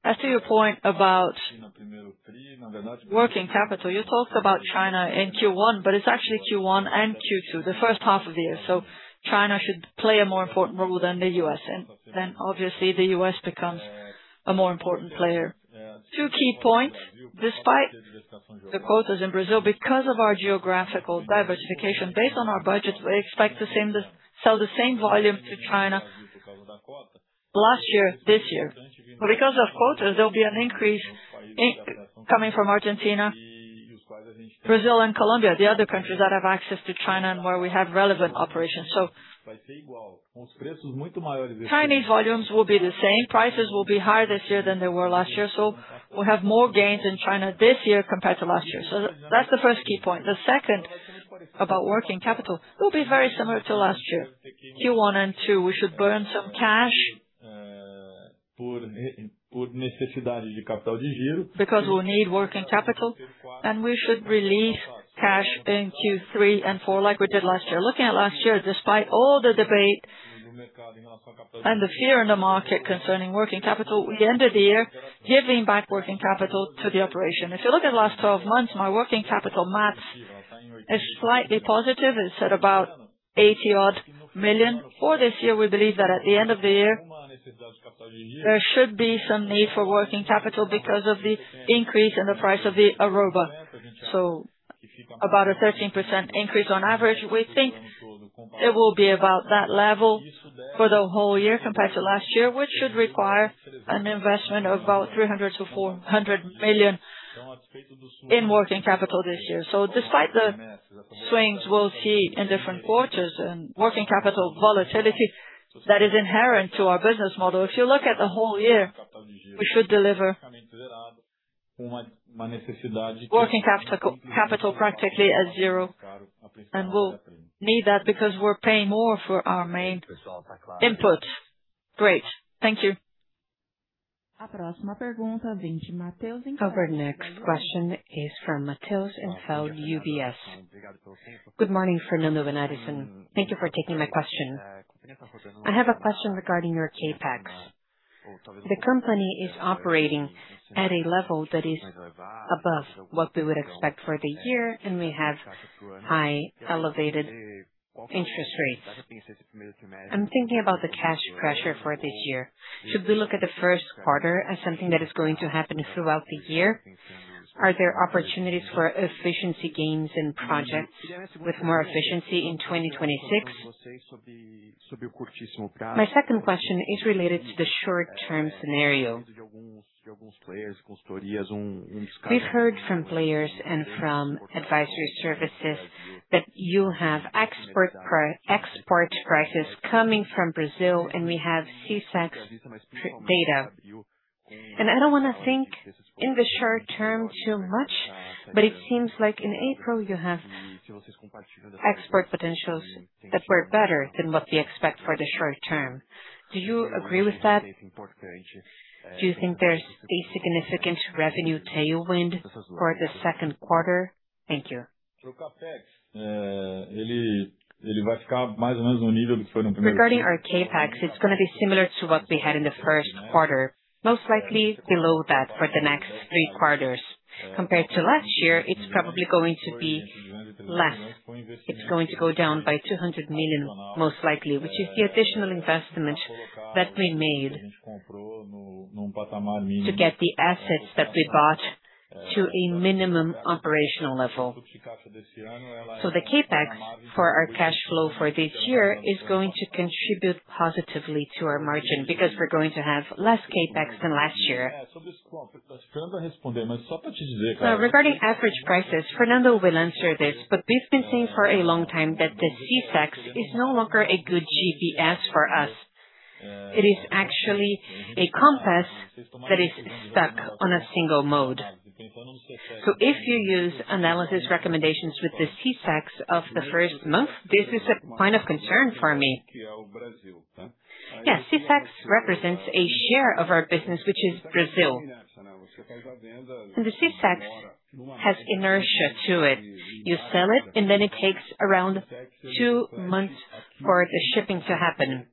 As to your point about working capital, you talked about China in Q1, but it is actually Q1 and Q2, the first half of the year. China should play a more important role than the U.S., and then obviously the U.S. becomes a more important player. Two key points. Despite the quotas in Brazil, because of our geographical diversification based on our budget, we expect to sell the same volume to China last year, this year. Because of quotas, there will be an increase coming from Argentina, Brazil and Colombia, the other countries that have access to China and where we have relevant operations. Chinese volumes will be the same. Prices will be higher this year than they were last year. We have more gains in China this year compared to last year. That's the first key point. The second about working capital will be very similar to last year. Q1 and Q2, we should burn some cash because we'll need working capital, and we should release cash in Q3 and Q4 like we did last year. Looking at last year, despite all the debate and the fear in the market concerning working capital, we ended the year giving back working capital to the operation. If you look at the last 12 months, my working capital math is slightly positive. It's at about 80 odd million. For this year, we believe that at the end of the year, there should be some need for working capital because of the increase in the price of the arroba. About a 13% increase on average. We think it will be about that level for the whole year compared to last year, which should require an investment of about 300 million-400 million in working capital this year. Despite the swings we'll see in different quarters and working capital volatility that is inherent to our business model, if you look at the whole year, we should deliver working capital practically at zero. We'll need that because we're paying more for our main input. Great. Thank you. Our next question is from Matheus Enfeldt, UBS. Good morning, Fernando and Edison. Thank you for taking my question. I have a question regarding your CapEx. The company is operating at a level that is above what we would expect for the year, and we have high elevated interest rates. I'm thinking about the cash pressure for this year. Should we look at the Q1 as something that is going to happen throughout the year? Are there opportunities for efficiency gains in projects with more efficiency in 2026? My second question is related to the short-term scenario. We've heard from players and from advisory services that you have export prices coming from Brazil, and we have Secex's data. I don't wanna think in the short term too much, but it seems like in April you have export potentials that were better than what we expect for the short term. Do you agree with that? Do you think there's a significant revenue tailwind for the Q2? Thank you. Regarding our CapEx, it is going to be similar to what we had in the Q1, most likely below that for the next three quarters. Compared to last year, it is probably going to be less. It is going to go down by 200 million most likely, which is the additional investment that we made to get the assets that we bought. To a minimum operational level. The CapEx for our cash flow for this year is going to contribute positively to our margin because we're going to have less CapEx than last year. Regarding average prices, Fernando will answer this, but we've been saying for a long time that the Secex is no longer a good GPS for us. It is actually a compass that is stuck on a single mode. If you use analysis recommendations with the Secex of the first month, this is a point of concern for me. Yes, Secex represents a share of our business, which is Brazil. The Secex has inertia to it. You sell it, and then it takes around two months for the shipping to happen.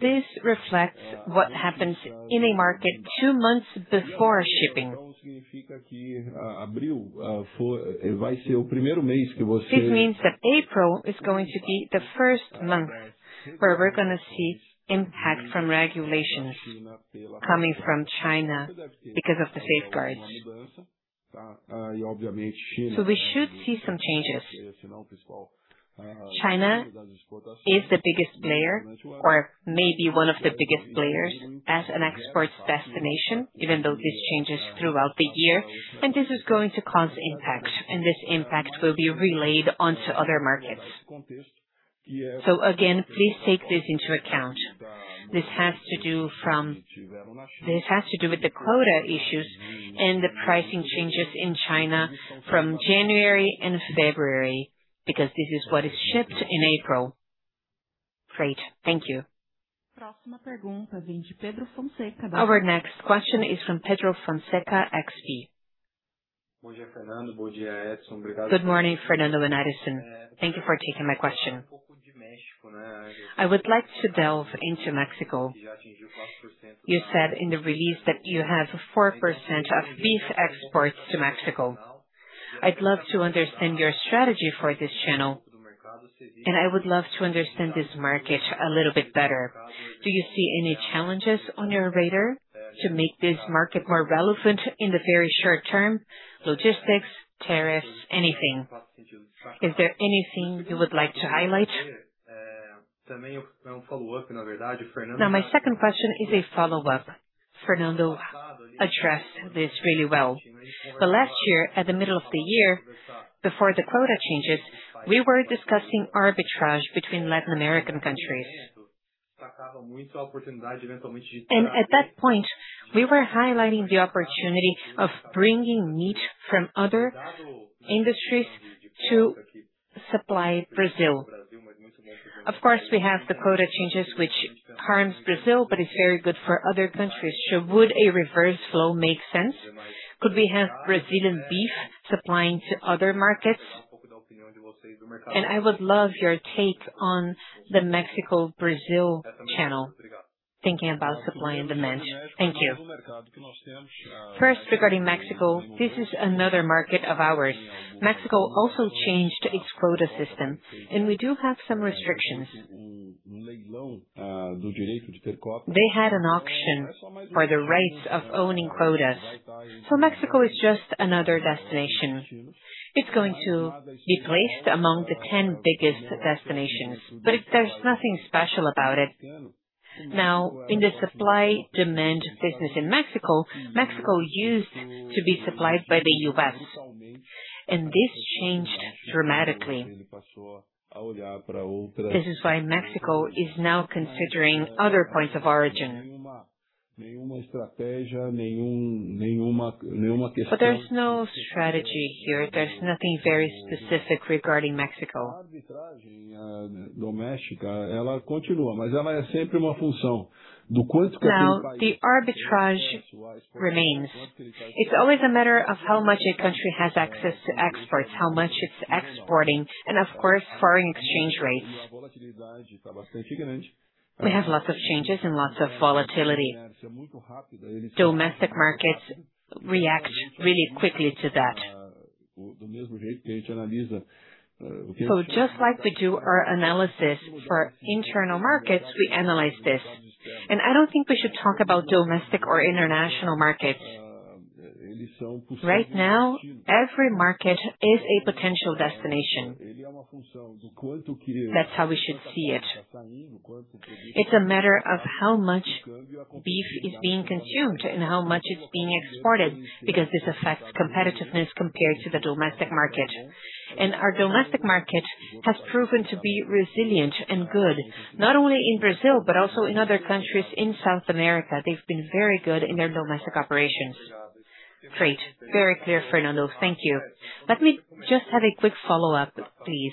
This reflects what happens in a market two months before shipping. This means that April is going to be the first month where we're gonna see impact from regulations coming from China because of the safeguards. We should see some changes. China is the biggest player or maybe one of the biggest players as an export destination, even though this changes throughout the year, and this is going to cause impact, and this impact will be relayed onto other markets. Again, please take this into account. This has to do with the quota issues and the pricing changes in China from January and February, because this is what is shipped in April. Great. Thank you. Our next question is from Pedro Fonseca, XP. Good morning, Fernando and Edison. Thank you for taking my question. I would like to delve into Mexico. You said in the release that you have 4% of beef exports to Mexico. I'd love to understand your strategy for this channel, I would love to understand this market a little bit better. Do you see any challenges on your radar to make this market more relevant in the very short term, logistics, tariffs, anything? Is there anything you would like to highlight? My second question is a follow-up. Fernando addressed this really well. Last year, at the middle of the year, before the quota changes, we were discussing arbitrage between Latin American countries. At that point, we were highlighting the opportunity of bringing meat from other industries to supply Brazil. Of course, we have the quota changes, which harms Brazil, but it's very good for other countries. Would a reverse flow make sense? Could we have Brazilian beef supplying to other markets? I would love your take on the Mexico-Brazil channel, thinking about supply and demand. Thank you. First, regarding Mexico, this is another market of ours. Mexico also changed its quota system, and we do have some restrictions. They had an auction for the rights of owning quotas. Mexico is just another destination. It's going to be placed among the 10 biggest destinations, but there's nothing special about it. Now, in the supply-demand business in Mexico used to be supplied by the U.S., and this changed dramatically. This is why Mexico is now considering other points of origin. There's no strategy here. There's nothing very specific regarding Mexico. Now, the arbitrage remains. It's always a matter of how much a country has access to exports, how much it's exporting, and of course, foreign exchange rates. We have lots of changes and lots of volatility. Domestic markets react really quickly to that. Just like we do our analysis for internal markets, we analyze this. I don't think we should talk about domestic or international markets. Right now, every market is a potential destination. That's how we should see it. It's a matter of how much beef is being consumed and how much is being exported because this affects competitiveness compared to the domestic market. Our domestic market has proven to be resilient and good, not only in Brazil, but also in other countries in South America. They've been very good in their domestic operations. Great. Very clear, Fernando. Thank you. Let me just have a quick follow-up, please.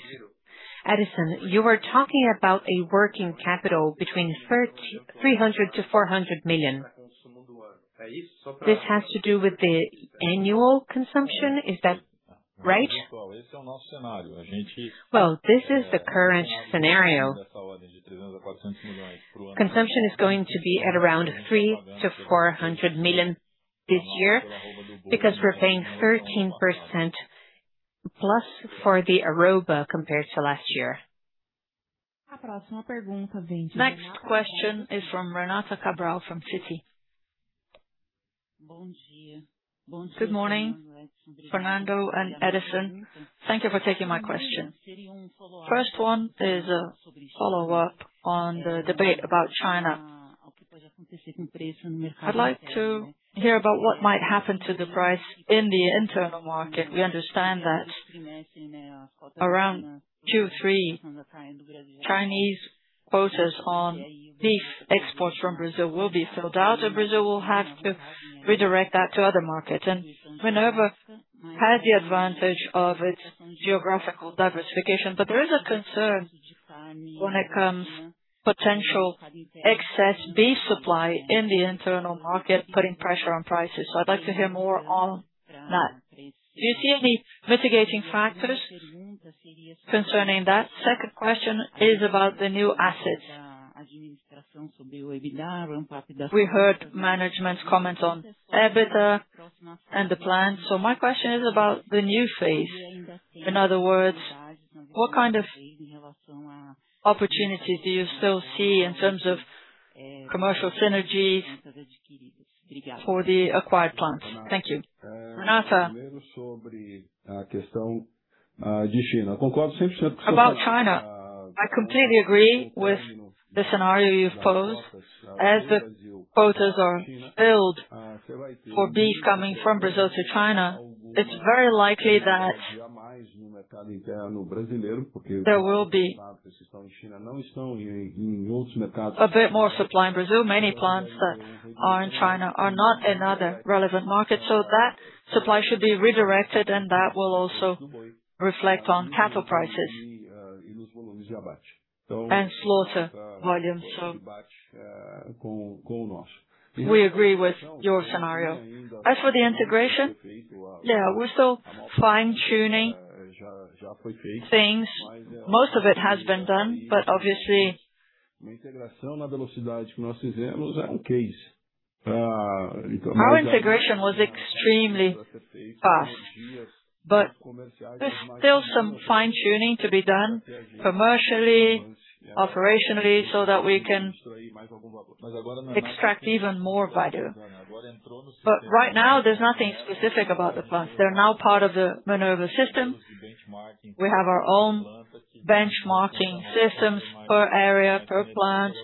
Edison, you were talking about a working capital between 300 million-400 million. This has to do with the annual consumption. Is that right? Well, this is the current scenario. Consumption is going to be at around 300 million-400 million this year because we're paying 13% plus for the arroba compared to last year. The next question is from Renata Cabral from Citi. Good morning, Fernando and Edison. Thank you for taking my question. First one is a follow-up on the debate about China. I'd like to hear about what might happen to the price in the internal market. We understand that around two, three Chinese quotas on beef exports from Brazil will be filled out, and Brazil will have to redirect that to other markets. Minerva has the advantage of its geographical diversification. There is a concern when it comes potential excess beef supply in the internal market, putting pressure on prices. I'd like to hear more on that. Do you see any mitigating factors concerning that? Second question is about the new assets. We heard management's comments on EBITDA and the plan. My question is about the new phase. In other words, what kind of opportunity do you still see in terms of commercial synergy for the acquired plant? Thank you. About China, I completely agree with the scenario you've posed. As the quotas are filled for beef coming from Brazil to China, it's very likely that there will be a bit more supply in Brazil. Many plants that are in China are not in other relevant markets, so that supply should be redirected, and that will also reflect on cattle prices and slaughter volumes. We agree with your scenario. As for the integration, yeah, we're still fine-tuning things. Most of it has been done, but obviously our integration was extremely fast. There's still some fine-tuning to be done commercially, operationally, so that we can extract even more value. Right now, there's nothing specific about the plants. They're now part of the Minerva system. We have our own benchmarking systems per area, per plant.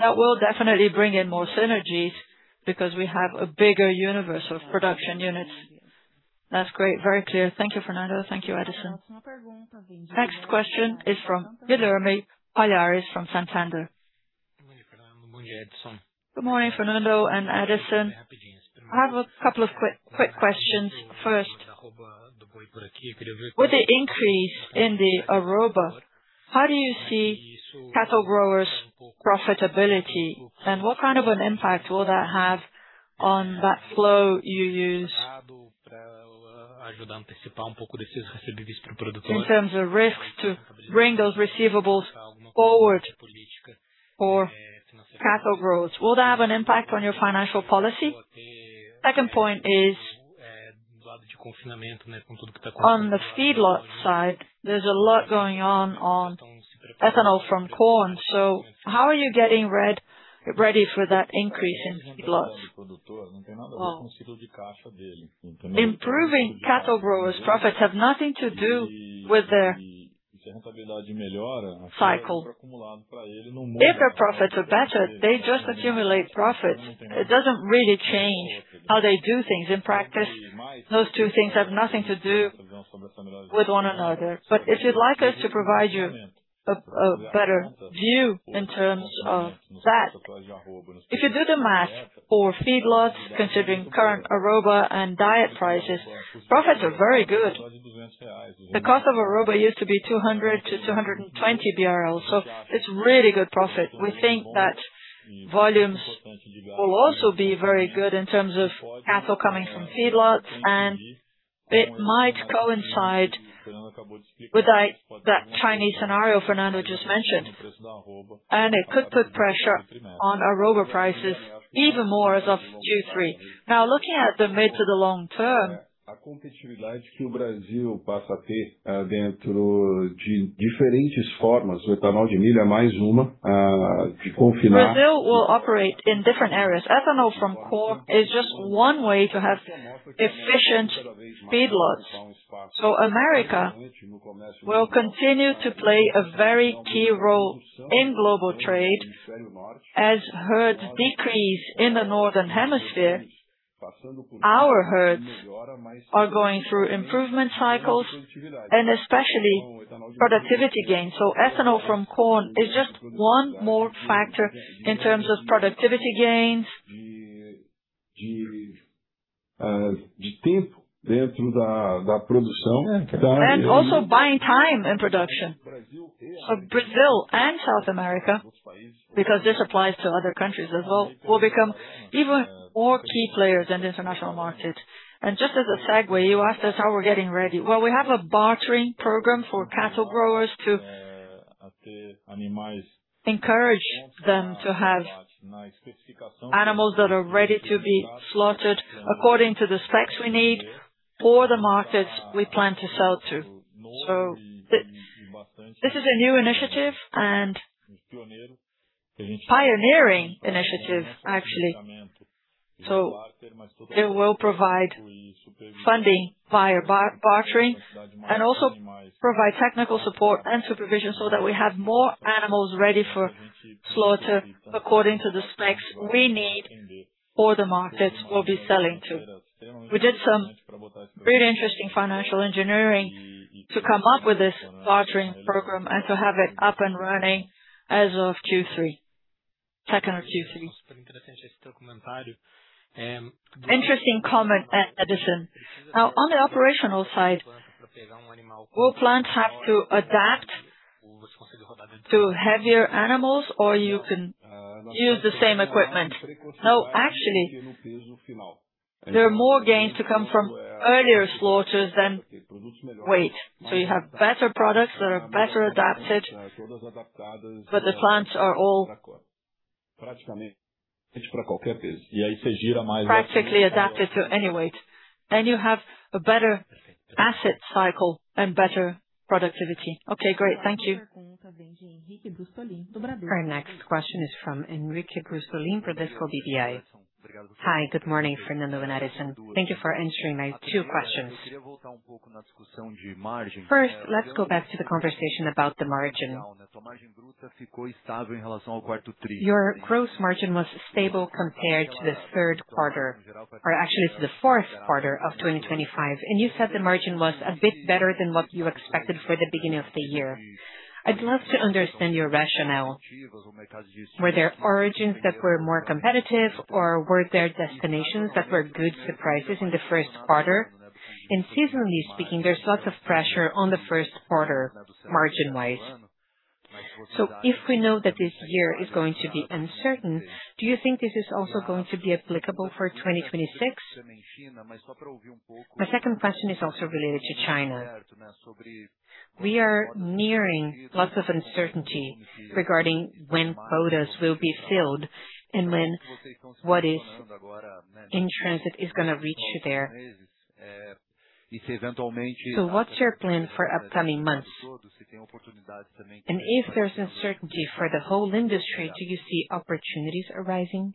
That will definitely bring in more synergies because we have a bigger universe of production units. That's great. Very clear. Thank you, Fernando. Thank you, Edison. Next question is from Guilherme Palhares from Santander. Good morning, Fernando and Edison. I have a couple of quick questions. First, with the increase in the arroba, how do you see cattle growers' profitability, and what kind of an impact will that have on that flow you use in terms of risks to bring those receivables forward for cattle growers? Will that have an impact on your financial policy? Second point is, on the feedlot side, there's a lot going on on ethanol from corn. How are you getting ready for that increase in feedlots? Improving cattle growers' profits have nothing to do with their cycle. If their profits are better, they just accumulate profits. It doesn't really change how they do things. In practice, those two things have nothing to do with one another. If you'd like us to provide you a better view in terms of that, if you do the math for feedlots, considering current arroba and diet prices, profits are very good. The cost of arroba used to be 200-220 BRL BRL. It's really good profit. We think that volumes will also be very good in terms of cattle coming from feedlots, and it might coincide with that Chinese scenario Fernando just mentioned, and it could put pressure on arroba prices even more as of Q3. Looking at the mid to the long term, Brazil will operate in different areas. Ethanol from corn is just one way to have efficient feedlots. America will continue to play a very key role in global trade. As herds decrease in the northern hemisphere, our herds are going through improvement cycles and especially productivity gains. Ethanol from corn is just one more factor in terms of productivity gains and also buying time in production. Brazil and South America, because this applies to other countries as well, will become even more key players in the international market. Just as a segue, you asked us how we're getting ready. Well, we have a bartering program for cattle growers to encourage them to have animals that are ready to be slaughtered according to the specs we need. For the markets we plan to sell to. This is a new initiative and pioneering initiative actually. They will provide funding via bartering and also provide technical support and supervision so that we have more animals ready for slaughter according to the specs we'll be selling to. We did some really interesting financial engineering to come up with this bartering program and to have it up and running as of Q3. Second of Q3. Interesting comment, Edison. Now, on the operational side, will plant have to adapt to heavier animals or you can use the same equipment? No, actually, there are more gains to come from earlier slaughters than weight. You have better products that are better adapted, but the plants are all practically adapted to any weight. You have a better asset cycle and better productivity. Okay, great. Thank you. Our next question is from Henrique Brustolin, Bradesco BBI. Hi, good morning Fernando and Edison. Thank you for answering my two questions. First, let's go back to the conversation about the margin. Your gross margin was stable compared to the Q3, or actually to the Q4 of 2025, and you said the margin was a bit better than what you expected for the beginning of the year. I'd love to understand your rationale. Were there origins that were more competitive or were there destinations that were good surprises in the Q1? Seasonally speaking, there's lots of pressure on the Q1 margin-wise. If we know that this year is going to be uncertain, do you think this is also going to be applicable for 2026? My second question is also related to China. We are nearing lots of uncertainty regarding when quotas will be filled and when what is in transit is gonna reach there. What's your plan for upcoming months? If there's uncertainty for the whole industry, do you see opportunities arising?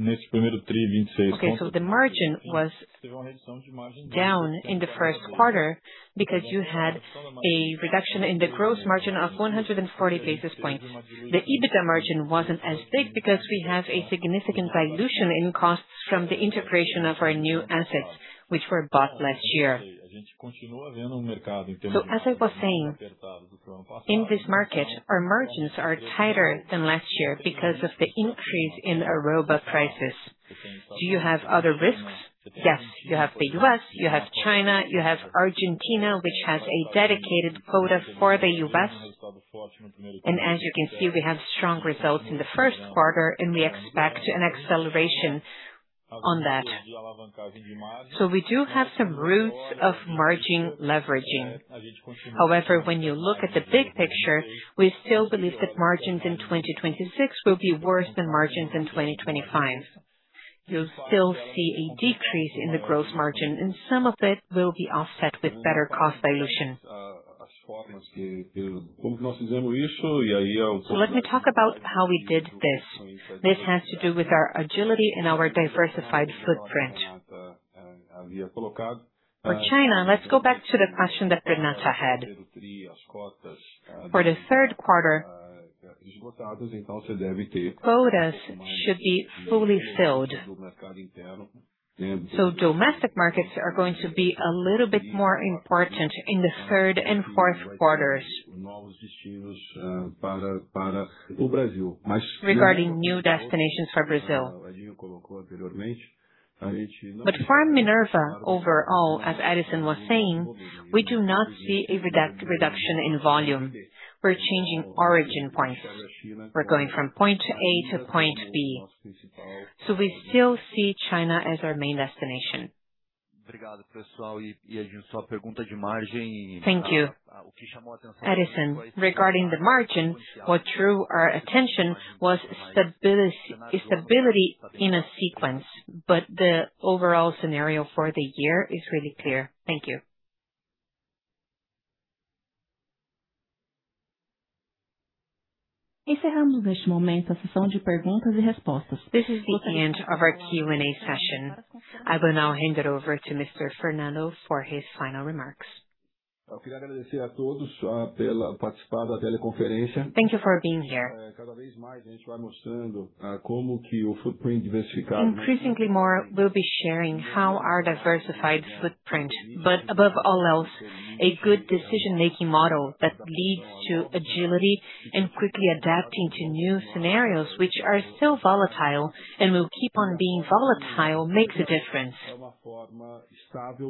Okay. The margin was down in the Q1 because you had a reduction in the gross margin of 140 basis points. The EBITDA margin wasn't as big because we have a significant dilution in costs from the integration of our new assets, which were bought last year. As I was saying, in this market, our margins are tighter than last year because of the increase in our arroba prices. Do you have other risks? Yes. You have the U.S., you have China, you have Argentina, which has a dedicated quota for the U.S. As you can see, we have strong results in the Q1, and we expect an acceleration on that. We do have some routes of margin leveraging. However, when you look at the big picture, we still believe that margins in 2026 will be worse than margins in 2025. You'll still see a decrease in the gross margin, and some of it will be offset with better cost dilution. Let me talk about how we did this. This has to do with our agility and our diversified footprint. For China, let's go back to the question that Renata had. For the Q3, quotas should be fully filled. Domestic markets are going to be a little bit more important in the Q3 and Q4 quarters regarding new destinations for Brazil. For Minerva overall, as Edison was saying, we do not see a reduction in volume. We're changing origin points. We're going from point A to point B. We still see China as our main destination. Thank you. Edison, regarding the margin, what drew our attention was stability in a sequence, the overall scenario for the year is really clear. Thank you. This is the end of our Q&A session. I will now hand it over to Mr. Fernando for his final remarks. Thank you for being here. Increasingly more, we'll be sharing how our diversified footprint, above all else, a good decision-making model that leads to agility and quickly adapting to new scenarios which are still volatile and will keep on being volatile, makes a difference.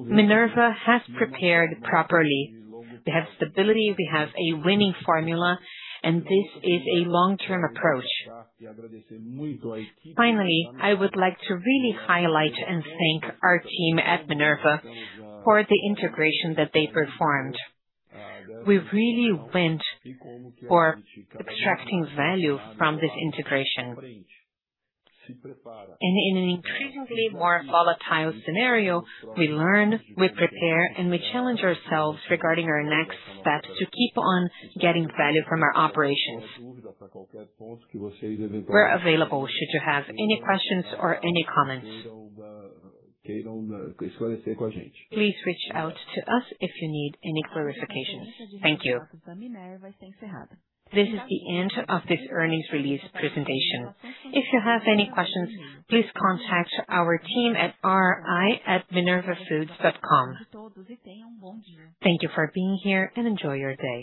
Minerva has prepared properly. We have stability, we have a winning formula, this is a long-term approach. Finally, I would like to really highlight and thank our team at Minerva for the integration that they performed. We really went for extracting value from this integration. In an increasingly more volatile scenario, we learn, we prepare, and we challenge ourselves regarding our next steps to keep on getting value from our operations. We're available should you have any questions or any comments. Please reach out to us if you need any clarifications. Thank you. This is the end of this earnings release presentation. If you have any questions, please contact our team at ri@minervafoods.com. Thank you for being here, and enjoy your day.